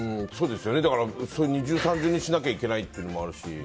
二重三重にしなきゃいけないっていうのもあるし。